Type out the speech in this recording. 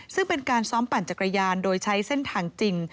ซึ่งเป็นการซ้อมปั่นจักรยานโดยใช้เส้นทางจริง